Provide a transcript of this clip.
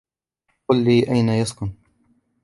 قل لي أين تسكن.